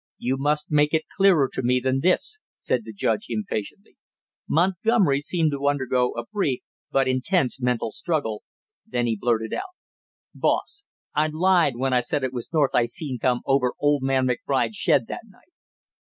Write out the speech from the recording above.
"You must make it clearer to me than this!" said the judge impatiently. Montgomery seemed to undergo a brief but intense mental struggle, then he blurted out: "Boss, I lied when I said it was North I seen come over old man McBride's shed that night!"